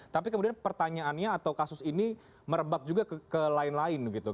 tapi kemudian pertanyaannya atau kasus ini merebak juga ke lain lain gitu